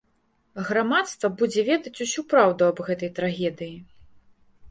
Грамадства будзе ведаць усю праўду аб гэтай трагедыі.